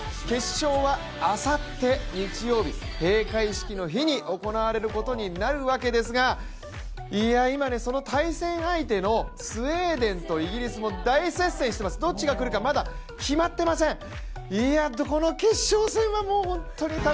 決勝はあさって日曜日、閉会式の日に行われることになるわけですが、今、対戦相手のスウェーデンとイギリスも大接戦してます、どっちが来るかまだ決まってません。